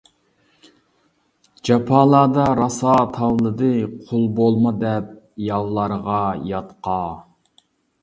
جاپالاردا راسا تاۋلىدى قۇل بولما دەپ ياۋلارغا، ياتقا!